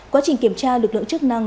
quá trình kiểm tra lực lượng chức năng